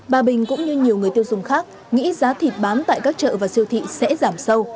bà bình cũng như nhiều người tiêu dùng khác nghĩ giá thịt bán tại các chợ và siêu thị sẽ giảm sâu